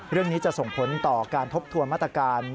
เรื่องนี้จะส่งผลต่อการทบทวนมาตรการ